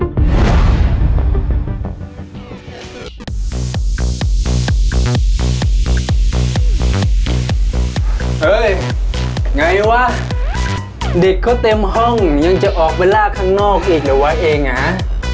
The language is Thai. ไงวะเด็กเขาเต็มห้องยังจะออกไปลากข้างนอกอีกหรือวะเองอ่ะ